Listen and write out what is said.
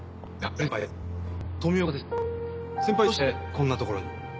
先輩どうしてこんなところに？